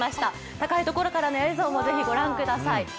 高いところからの映像も、ぜひ、ご覧ください。